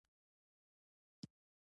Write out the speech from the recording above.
د نورستان په مندول کې د لیتیم نښې شته.